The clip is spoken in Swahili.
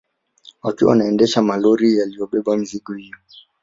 Wakiwa wanaendesha malori yaliyobeba mizigo hiyo